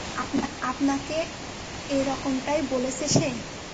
আপনাকে এরকমটাই বলেছে সে?